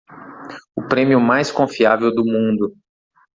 O prêmio mais confiável do mundo